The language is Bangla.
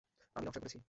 আমি নকশা করেছি।